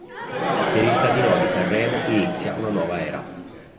Per il Casinò di Sanremo inizia una nuova era.